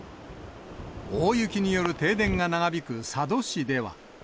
大雪による停電が長引く佐渡市では。